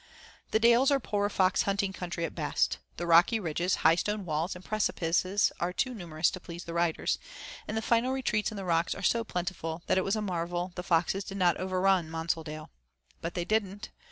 The dales are poor fox hunting country at best. The rocky ridges, high stone walls, and precipices are too numerous to please the riders, and the final retreats in the rocks are so plentiful that it was a marvel the foxes did not overrun Monsaldale. But they didn't.